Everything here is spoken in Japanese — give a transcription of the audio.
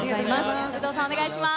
有働さん、お願いします。